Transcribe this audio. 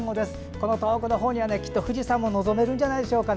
この遠くのほうには富士山も望めるんじゃないでしょうか。